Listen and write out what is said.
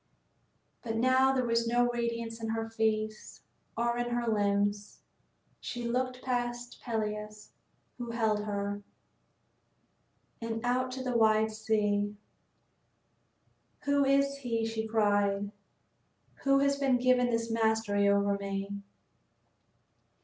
But now there was no radiance in her face or in her limbs. She looked past Peleus, who held her, and out to the wide sea. "Who is he," she cried, "who has been given this mastery over me?"